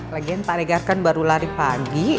lagian pak regar kan baru lari pagi